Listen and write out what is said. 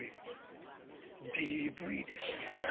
「ＤＶです」。